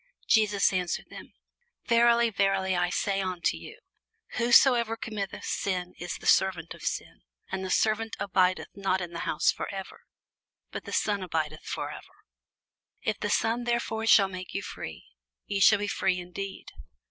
Jesus answered them, Verily, verily, I say unto you, Whosoever committeth sin is the servant of sin. And the servant abideth not in the house for ever: but the Son abideth ever. If the Son therefore shall make you free, ye shall be free indeed.